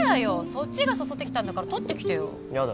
そっちが誘ってきたんだから取ってきてよやだ